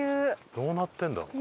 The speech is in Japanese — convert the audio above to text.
どうなってんだ？